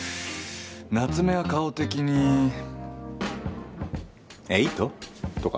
夏目は顔的にエイトとか。